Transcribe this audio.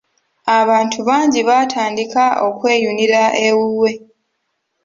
Abantu bangi baatandika okweyunira ewuwe.